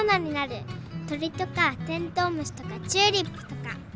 とりとかテントウムシとかチューリップとか。